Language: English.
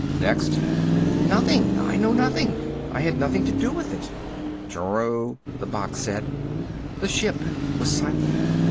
"Next!" "Nothing I know nothing. I had nothing to do with it." "True," the box said. The ship was silent.